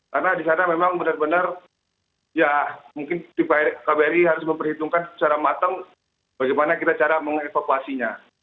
karena di sana memang benar benar ya mungkin kbri harus memperhitungkan secara matang bagaimana kita cara mengevakuasinya